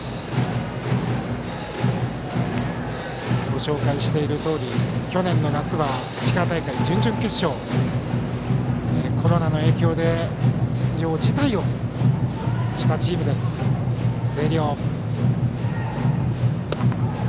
ご紹介しているとおり去年の夏は石川大会、準々決勝コロナの影響で出場辞退をしたチームです、星稜。